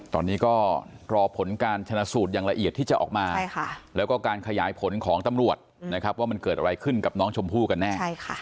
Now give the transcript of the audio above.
ตอนนี้ก็รอผลการชนะสูตรอย่างละเอียดที่จะออกมาแล้วก็การขยายผลของตำรวจนะครับว่ามันเกิดอะไรขึ้นกับน้องชมพู่กันแน่